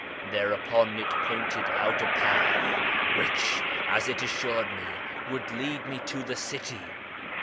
Thereupon it pointed out a path, which, as it assured me, would lead me to the city.